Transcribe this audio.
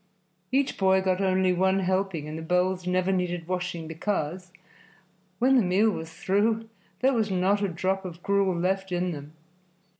Each boy got only one helping, and the bowls never needed washing, because, when the meal was through, there was not a drop of gruel left in them.